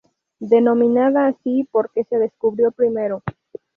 Denominada así porque se descubrió primero.